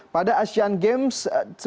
pada asian games